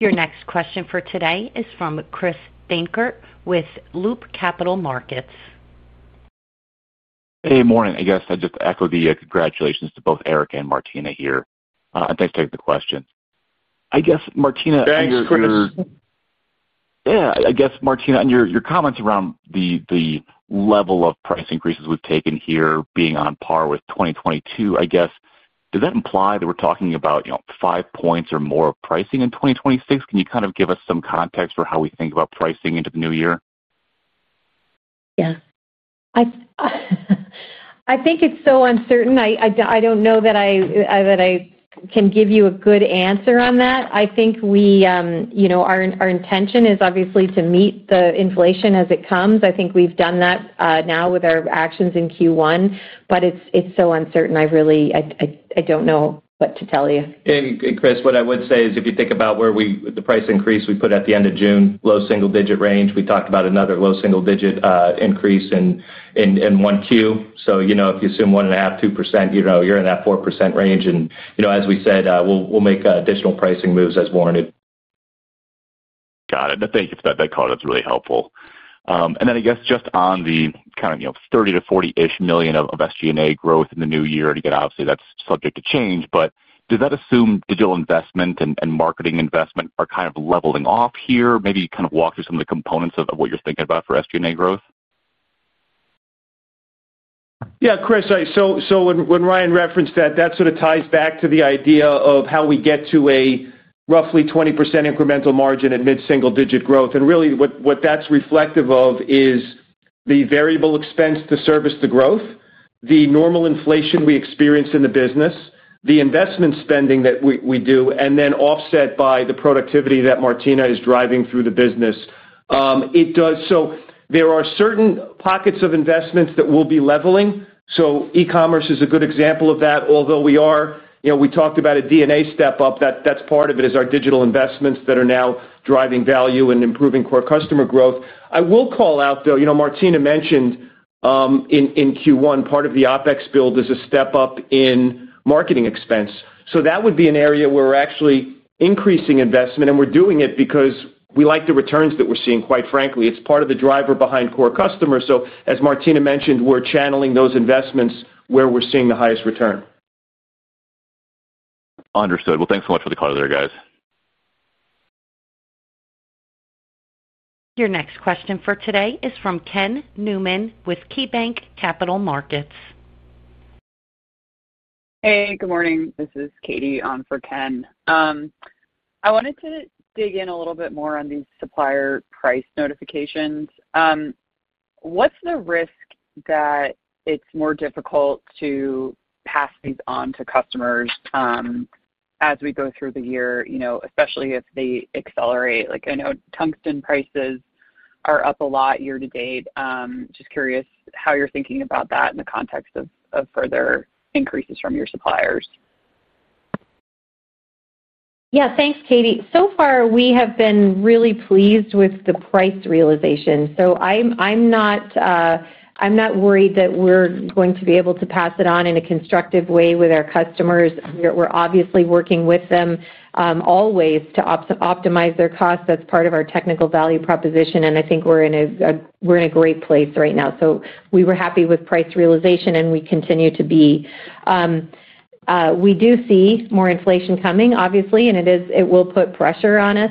Your next question for today is from Chris Dankert with Loop Capital Markets. Hey, morning. I guess I'd just echo the congratulations to both Erik and Martina here. Thanks for taking the question. I guess, Martina. Thanks, Chris. Yeah, I guess Martina, in your comments around the level of price increases we've taken here being on par with 2022, does that imply that we're talking about 5% or more of pricing in 2026? Can you kind of give us some context for how we think about pricing into the new year? I think it's so uncertain. I don't know that I can give you a good answer on that. Our intention is obviously to meet the inflation as it comes. I think we've done that now with our actions in Q1, but it's so uncertain. I really don't know what to tell you. Chris, what I would say is if you think about where the price increase we put at the end of June, low single-digit range, we talked about another low single-digit increase in Q1. If you assume 1.5%, 2%, you're in that 4% range. As we said, we'll make additional pricing moves as warranted. Got it. Thank you for that call. That's really helpful. I guess just on the kind of $30 million-$40 million of SG&A growth in the new year, obviously, that's subject to change, but does that assume digital investment and marketing investment are kind of leveling off here? Maybe you could walk through some of the components of what you're thinking about for SG&A growth? Yeah, Chris, when Ryan referenced that, that sort of ties back to the idea of how we get to a roughly 20% incremental margin at mid-single-digit growth. What that's reflective of is the variable expense to service the growth, the normal inflation we experience in the business, the investment spending that we do, and then offset by the productivity that Martina is driving through the business. There are certain pockets of investments that will be leveling. E-commerce is a good example of that. Although we are, you know, we talked about a DNA step up. That's part of it, our digital investments that are now driving value and improving core customer growth. I will call out, though, Martina mentioned in Q1 part of the OpEx build is a step up in marketing expense. That would be an area where we're actually increasing investment, and we're doing it because we like the returns that we're seeing, quite frankly. It's part of the driver behind core customers. As Martina mentioned, we're channeling those investments where we're seeing the highest return. Understood. Thanks so much for the call there, guys. Your next question for today is from Ken Newman with KeyBanc Capital Markets. Hey, good morning. This is Katie on for Ken. I wanted to dig in a little bit more on these supplier price notifications. What's the risk that it's more difficult to pass these on to customers as we go through the year, especially if they accelerate? I know tungsten prices are up a lot year to date. Just curious how you're thinking about that in the context of further increases from your suppliers. Thank you, Katie. So far, we have been really pleased with the price realization. I'm not worried that we're going to be able to pass it on in a constructive way with our customers. We're obviously working with them always to optimize their costs. That's part of our technical value proposition. I think we're in a great place right now. We were happy with price realization, and we continue to be. We do see more inflation coming, obviously, and it will put pressure on us.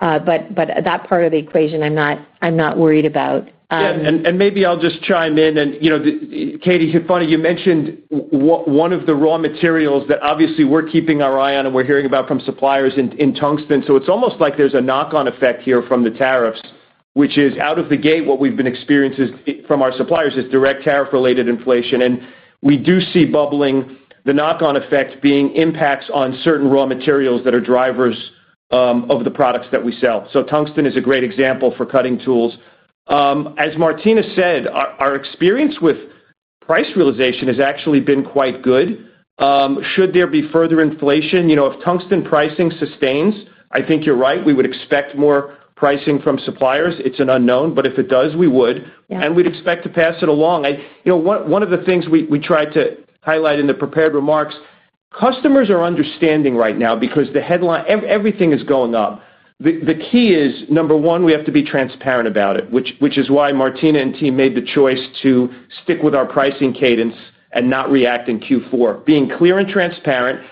That part of the equation, I'm not worried about. Yeah, maybe I'll just chime in. You know, Katie, funny, you mentioned one of the raw materials that obviously we're keeping our eye on and we're hearing about from suppliers in tungsten. It's almost like there's a knock-on effect here from the tariffs, which is out of the gate. What we've been experiencing from our suppliers is direct tariff-related inflation. We do see bubbling, the knock-on effect being impacts on certain raw materials that are drivers of the products that we sell. Tungsten is a great example for cutting tools. As Martina said, our experience with price realization has actually been quite good. Should there be further inflation? You know, if tungsten pricing sustains, I think you're right. We would expect more pricing from suppliers. It's an unknown, but if it does, we would, and we'd expect to pass it along. One of the things we tried to highlight in the prepared remarks, customers are understanding right now because the headline, everything is going up. The key is, number one, we have to be transparent about it, which is why Martina and team made the choice to stick with our pricing cadence and not react in Q4, being clear and transparent.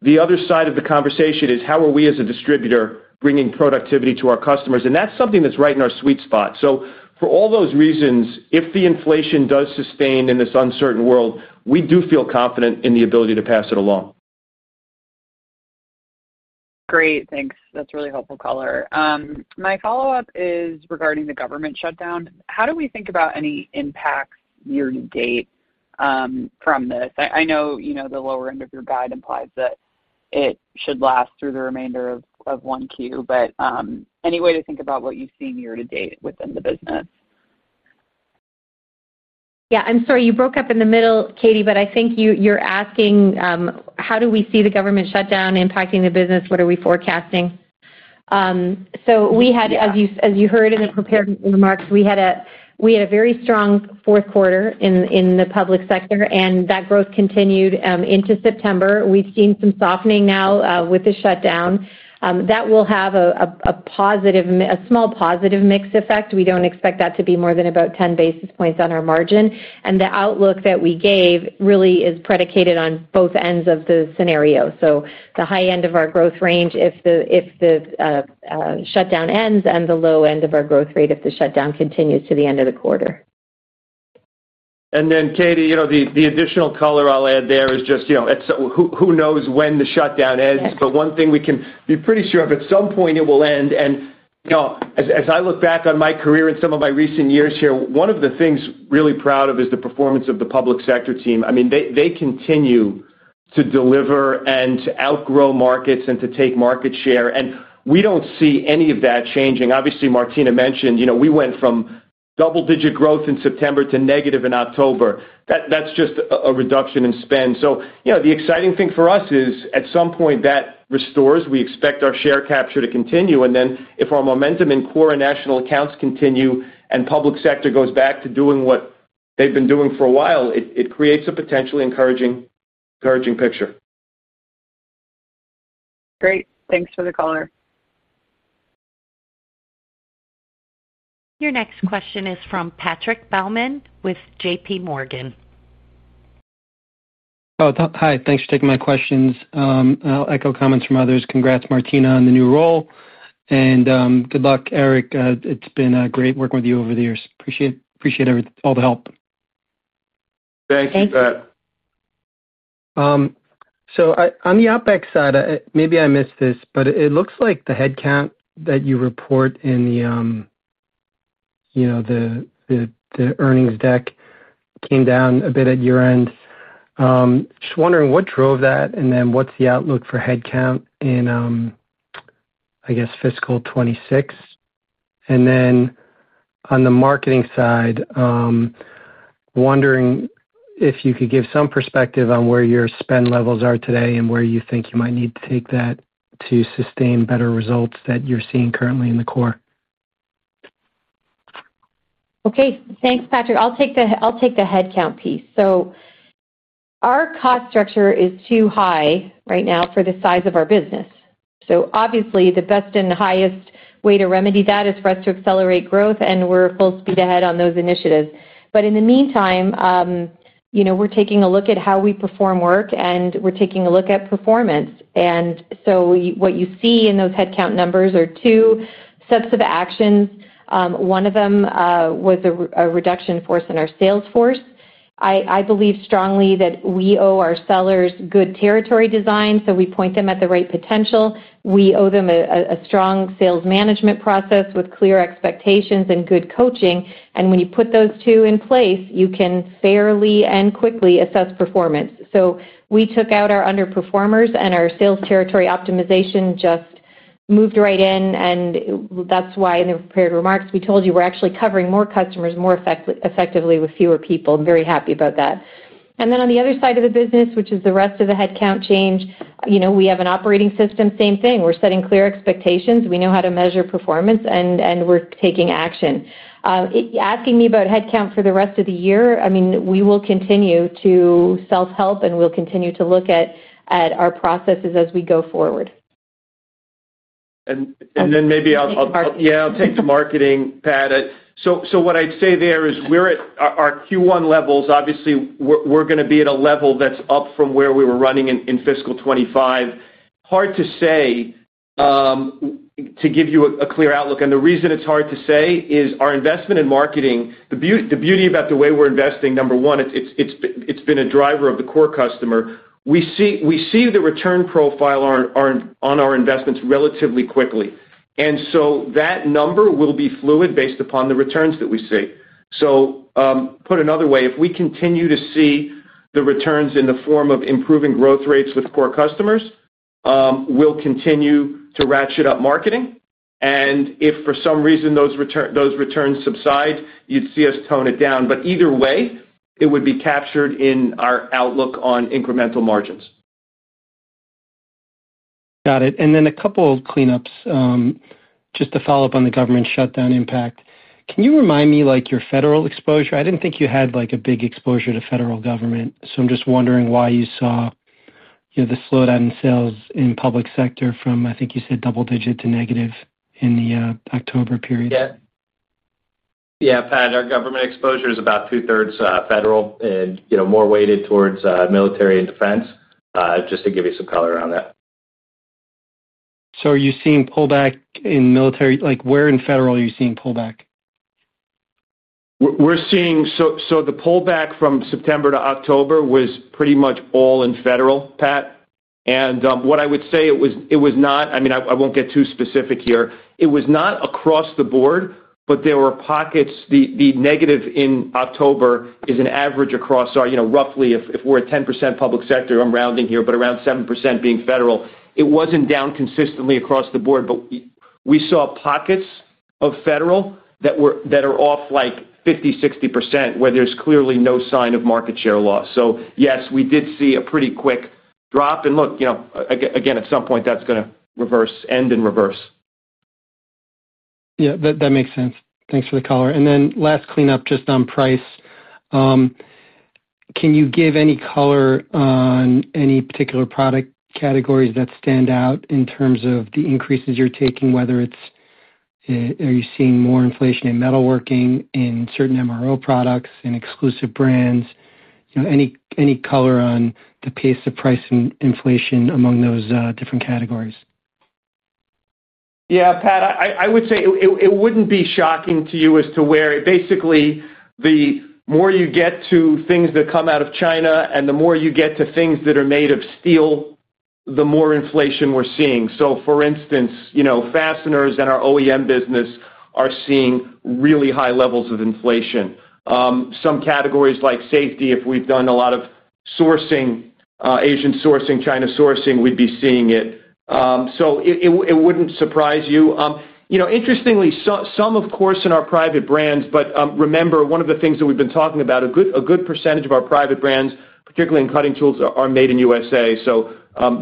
The other side of the conversation is how are we as a distributor bringing productivity to our customers? That's something that's right in our sweet spot. For all those reasons, if the inflation does sustain in this uncertain world, we do feel confident in the ability to pass it along. Great, thanks. That's a really helpful caller. My follow-up is regarding the government shutdown. How do we think about any impacts year to date from this? I know the lower end of your guide implies that it should last through the remainder of 1Q, but any way to think about what you've seen year to date within the business? I'm sorry, you broke up in the middle, Katie, but I think you're asking how do we see the government shutdown impacting the business? What are we forecasting? We had, as you heard in the prepared remarks, a very strong fourth quarter in the public sector, and that growth continued into September. We've seen some softening now with the shutdown. That will have a small positive mix effect. We don't expect that to be more than about 10 basis points on our margin. The outlook that we gave really is predicated on both ends of the scenario. The high end of our growth range is if the shutdown ends, and the low end of our growth rate is if the shutdown continues to the end of the quarter. Katie, the additional color I'll add there is just, you know, who knows when the shutdown ends, but one thing we can be pretty sure of, at some point, it will end. As I look back on my career in some of my recent years here, one of the things I'm really proud of is the performance of the public sector team. I mean, they continue to deliver and to outgrow markets and to take market share, and we don't see any of that changing. Obviously, Martina mentioned, we went from double-digit growth in September to negative in October. That's just a reduction in spend. The exciting thing for us is at some point that restores. We expect our share capture to continue, and if our momentum in core and national accounts continue and public sector goes back to doing what they've been doing for a while, it creates a potentially encouraging picture. Great, thanks for the call. Your next question is from Patrick Baumann with JPMorgan. Oh, hi. Thanks for taking my questions. I'll echo comments from others. Congrats, Martina, on the new role, and good luck, Erik. It's been great working with you over the years. Appreciate all the help. Thanks, Patrick. On the OpEx side, maybe I missed this, but it looks like the headcount that you report in the earnings deck came down a bit at year end. I am just wondering what drove that, and then what's the outlook for headcount in, I guess, fiscal 2026? On the marketing side, wondering if you could give some perspective on where your spend levels are today and where you think you might need to take that to sustain better results that you're seeing currently in the core. Okay, thanks, Patrick. I'll take the headcount piece. Our cost structure is too high right now for the size of our business. Obviously, the best and the highest way to remedy that is for us to accelerate growth, and we're full speed ahead on those initiatives. In the meantime, we're taking a look at how we perform work, and we're taking a look at performance. What you see in those headcount numbers are two sets of actions. One of them was a reduction in force in our sales force. I believe strongly that we owe our sellers good territory design, so we point them at the right potential. We owe them a strong sales management process with clear expectations and good coaching. When you put those two in place, you can fairly and quickly assess performance. We took out our underperformers, and our sales territory optimization just moved right in. That's why in the prepared remarks, we told you we're actually covering more customers more effectively with fewer people. I'm very happy about that. On the other side of the business, which is the rest of the headcount change, we have an operating system, same thing. We're setting clear expectations. We know how to measure performance, and we're taking action. Asking me about headcount for the rest of the year, we will continue to self-help, and we'll continue to look at our processes as we go forward. I'll take the marketing pad. What I'd say there is we're at our Q1 levels. Obviously, we're going to be at a level that's up from where we were running in fiscal 2025. It's hard to give you a clear outlook. The reason it's hard to say is our investment in marketing. The beauty about the way we're investing, number one, it's been a driver of the core customer. We see the return profile on our investments relatively quickly, and that number will be fluid based upon the returns that we see. Put another way, if we continue to see the returns in the form of improving growth rates with core customers, we'll continue to ratchet up marketing. If for some reason those returns subside, you'd see us tone it down. Either way, it would be captured in our outlook on incremental margins. Got it. A couple of cleanups, just to follow up on the government shutdown impact. Can you remind me, like, your federal exposure? I didn't think you had a big exposure to federal government. I'm just wondering why you saw the slowdown in sales in public sector from, I think you said, double-digit to negative in the October period. Yeah, Pat, our government exposure is about two-thirds federal and, you know, more weighted towards military and defense, just to give you some color around that. Are you seeing pullback in military? Where in federal are you seeing pullback? We're seeing the pullback from September to October was pretty much all in federal, Pat. What I would say, it was not, I mean, I won't get too specific here. It was not across the board, but there were pockets. The negative in October is an average across our, you know, roughly if we're a 10% public sector, I'm rounding here, but around 7% being federal. It wasn't down consistently across the board, but we saw pockets of federal that are off like 50%-60% where there's clearly no sign of market share loss. Yes, we did see a pretty quick drop. At some point, that's going to end in reverse. Yeah, that makes sense. Thanks for the color. Last cleanup just on price. Can you give any color on any particular product categories that stand out in terms of the increases you're taking, whether it's, are you seeing more inflation in metalworking, in certain MRO products, in exclusive brands? Any color on the pace of price and inflation among those different categories? Yeah, Pat, I would say it wouldn't be shocking to you as to where it basically, the more you get to things that come out of China and the more you get to things that are made of steel, the more inflation we're seeing. For instance, fasteners and our OEM business are seeing really high levels of inflation. Some categories like safety, if we've done a lot of sourcing, Asian sourcing, China sourcing, we'd be seeing it. It wouldn't surprise you. Interestingly, some, of course, in our private brands, but remember, one of the things that we've been talking about, a good percentage of our private brands, particularly in cutting tools, are made in U.S.A.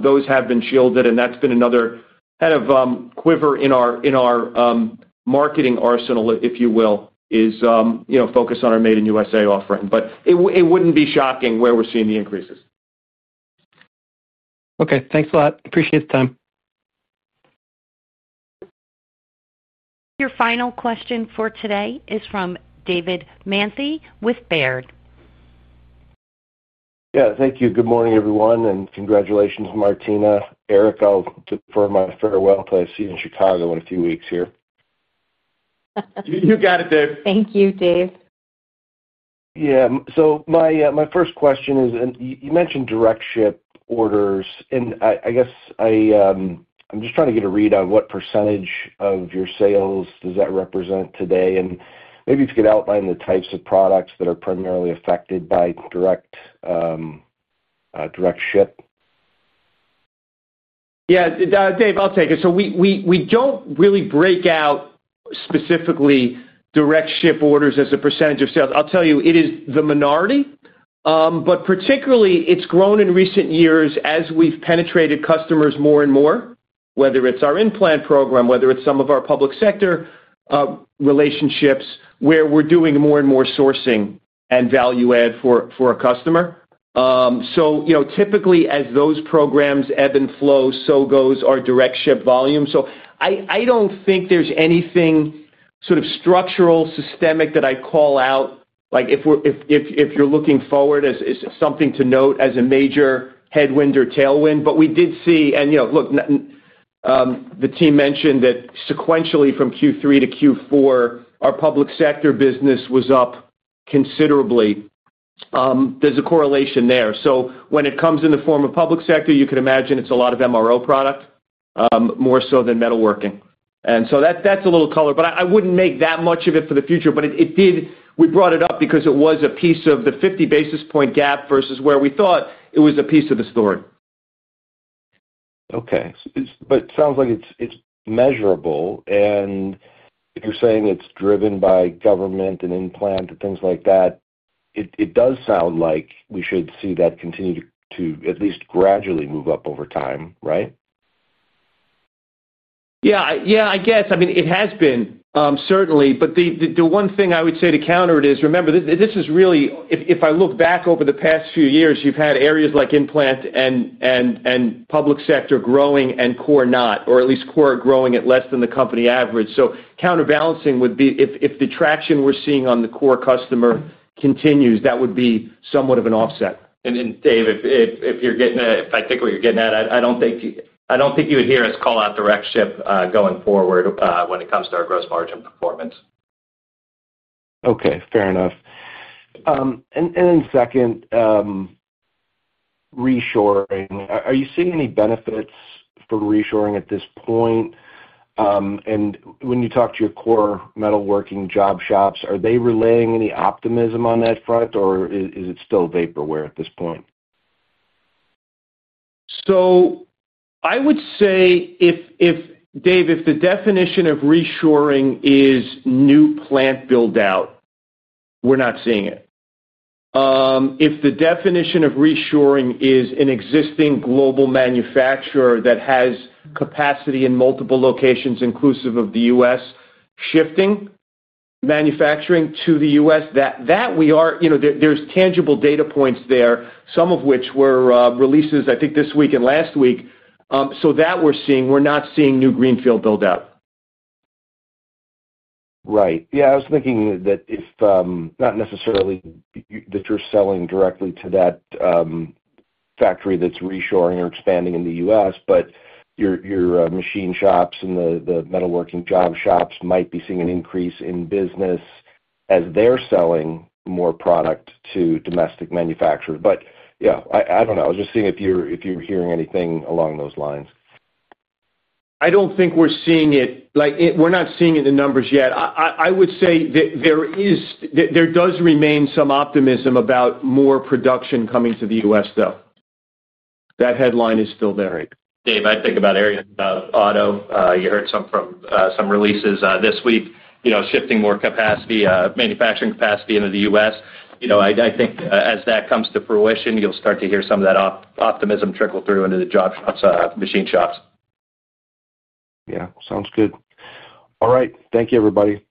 Those have been shielded, and that's been another kind of quiver in our marketing arsenal, if you will, is focus on our made in U.S.A. offering. It wouldn't be shocking where we're seeing the increases. Okay, thanks a lot. Appreciate the time. Your final question for today is from David Manthey with Baird. Yeah, thank you. Good morning, everyone, and congratulations, Martina. Erik, I'll defer my farewell till I see you in Chicago in a few weeks. You got it, Dave. Thank you, Dave. Yeah, my first question is, you mentioned direct ship orders, and I guess I'm just trying to get a read on what percentage of your sales does that represent today? Maybe if you could outline the types of products that are primarily affected by direct ship. Yeah, Dave, I'll take it. We don't really break out specifically direct ship orders as a percentage of sales. I'll tell you, it is the minority. Particularly, it's grown in recent years as we've penetrated customers more and more, whether it's our implant programs, whether it's some of our public sector relationships where we're doing more and more sourcing and value add for a customer. Typically, as those programs ebb and flow, so goes our direct ship volume. I don't think there's anything sort of structural, systemic that I'd call out. If you're looking forward, is something to note as a major headwind or tailwind. We did see, and the team mentioned that sequentially from Q3 to Q4, our public sector business was up considerably. There's a correlation there. When it comes in the form of public sector, you can imagine it's a lot of MRO product, more so than metalworking. That's a little color, but I wouldn't make that much of it for the future. It did, we brought it up because it was a piece of the 50 basis point gap versus where we thought it was a piece of the story. Okay, it sounds like it's measurable. If you're saying it's driven by government and implant and things like that, it does sound like we should see that continue to at least gradually move up over time, right? I mean, it has been, certainly. The one thing I would say to counter it is, remember, this is really, if I look back over the past few years, you've had areas like implant programs and public sector growing and core not, or at least core growing at less than the company average. Counterbalancing would be if the traction we're seeing on the core customer continues, that would be somewhat of an offset. If I think what you're getting at, I don't think you would hear us call out direct ship going forward when it comes to our gross margin performance. Okay, fair enough. Second, reshoring. Are you seeing any benefits for reshoring at this point? When you talk to your core metalworking job shops, are they relaying any optimism on that front, or is it still vaporware at this point? If the definition of reshoring is new plant build-out, we're not seeing it. If the definition of reshoring is an existing global manufacturer that has capacity in multiple locations, inclusive of the U.S., shifting manufacturing to the U.S., that we are, you know, there's tangible data points there, some of which were releases, I think, this week and last week. That we're seeing, we're not seeing new greenfield build-out. Right. Yeah, I was thinking that if not necessarily that you're selling directly to that factory that's reshoring or expanding in the U.S., your machine shops and the metalworking job shops might be seeing an increase in business as they're selling more product to domestic manufacturers. I don't know. I was just seeing if you're hearing anything along those lines. I don't think we're seeing it. We're not seeing it in the numbers yet. I would say that there does remain some optimism about more production coming to the U.S., though. That headline is still there. Dave, I think about auto. You heard from some releases this week, you know, shifting more capacity, manufacturing capacity into the U.S. I think as that comes to fruition, you'll start to hear some of that optimism trickle through into the job shops, machine shops. Yeah, sounds good. All right. Thank you, everybody.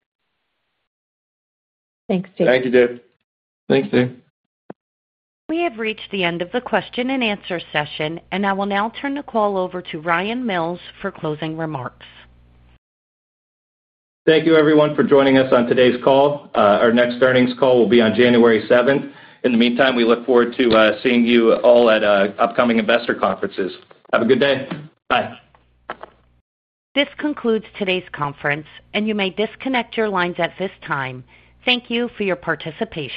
Thanks, Dave. Thank you, Dave. Thanks, Dave. We have reached the end of the question and answer session, and I will now turn the call over to Ryan Mills for closing remarks. Thank you, everyone, for joining us on today's call. Our next earnings call will be on January 7th. In the meantime, we look forward to seeing you all at upcoming investor conferences. Have a good day. Bye. This concludes today's conference, and you may disconnect your lines at this time. Thank you for your participation.